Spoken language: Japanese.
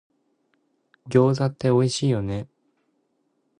餃子っておいしいよね